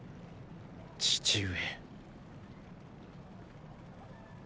父上。